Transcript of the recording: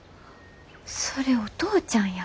それお父ちゃんや。